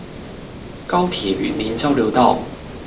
高鐵雲林交流道